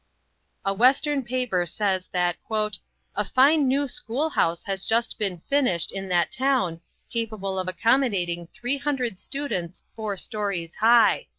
A Western paper says that "a fine new school house has just been finished in that town capable of accommodating three hundred students four stories high."